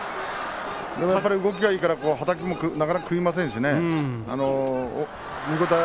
動きがいいからなかなか、はたきを食いませんね。